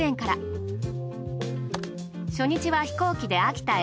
初日は飛行機で秋田へ。